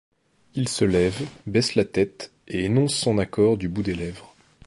Il se lève, baisse la tête, et énonce son accord du bout des lèvres.